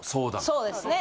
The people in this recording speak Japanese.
そうですね。